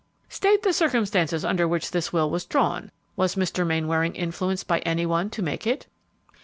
"State the circumstances under which this will was drawn; was Mr. Mainwaring influenced by any one to make it?"